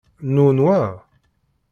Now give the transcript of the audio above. Nwen wa?